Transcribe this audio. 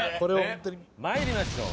参りましょう。